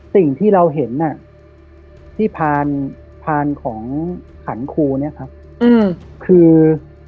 สิ่งที่เราเห็นน่ะที่ผ่านผ่านของขันครูเนี้ยครับอืมคือ